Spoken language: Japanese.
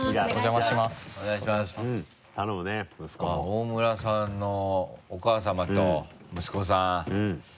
大村さんのお母さまと息子さん。